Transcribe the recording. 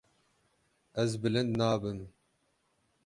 Ez bilind nabim.